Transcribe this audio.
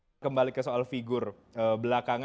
apakah boleh berkomunikasi dengan saya